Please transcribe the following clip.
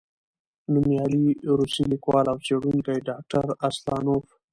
نومیالی روسی لیکوال او څېړونکی، ډاکټر اسلانوف،